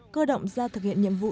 cơ động ra thực hiện nhiệm vụ